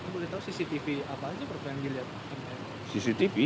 boleh tahu cctv apa aja yang ingin dilihat